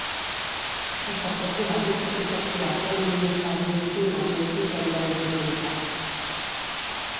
El sector privat necessita actuar per minimitzar el risc climàtic i prendre l'oportunitat.